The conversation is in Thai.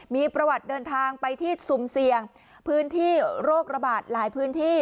มีประวัติเดินทางไปที่สุ่มเสี่ยงพื้นที่โรคระบาดหลายพื้นที่